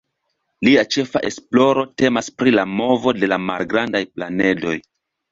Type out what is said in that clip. Lia ĉefa esploro temas pri la movo de la malgrandaj planedoj.